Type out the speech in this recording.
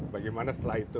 bagaimana setelah itu